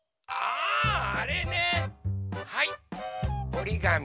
おりがみ。